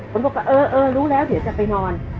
บอกว่าเออรู้แล้วเดี๋ยวจะไปนอน